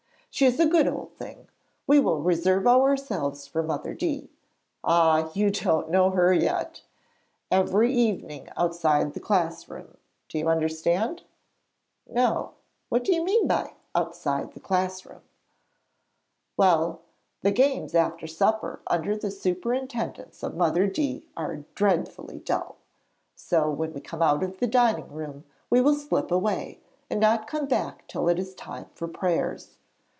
She is a good old thing. We will reserve ourselves for Mother D. Ah, you don't know her yet! Every evening outside the class room. Do you understand?' 'No. What do you mean by "outside the class room"?' 'Well, the games after supper under the superintendence of Mother D. are dreadfully dull. So when we come out of the dining room we will slip away, and not come back till it is time for prayers.